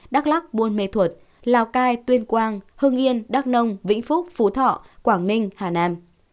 đắk lắc buôn mê thuột lào cai tuyên quang hưng yên đắk nông vĩnh phúc phú thọ quảng ninh hà nam